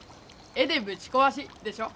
絵でぶち壊しでしょ？